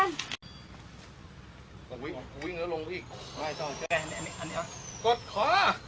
อันนี้เหรอ